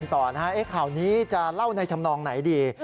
ต่อนะฮะข่าวนี้จะเล่าในธรรมนองไหนดี